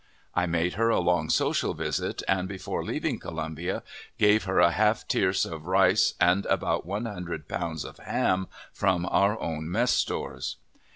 I made her a long social visit, and, before leaving Columbia, gave her a half tierce of rice and about one hundred pounds of ham from our own mess stores.